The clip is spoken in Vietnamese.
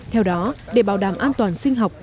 theo đó để bảo đảm an toàn sinh học